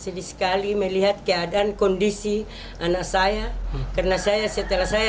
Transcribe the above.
sedih sekali melihat keadaan kondisi anak saya karena saya setelah saya